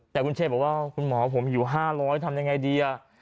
แต่คุณเชบอกว่าคุณหมอผมอยู่๕๐๐ทำยังไงดี